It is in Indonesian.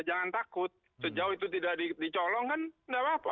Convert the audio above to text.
jangan takut sejauh itu tidak dicolongkan tidak apa apa